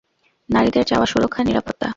নারীদের চাওয়া সুরক্ষা, নিরাপত্তা।